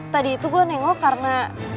tadi itu gue nengok karena